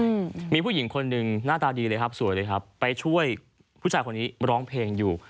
อืมมีผู้หญิงคนหนึ่งหน้าตาดีเลยครับสวยเลยครับไปช่วยผู้ชายคนนี้ร้องเพลงอยู่